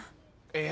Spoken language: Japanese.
え？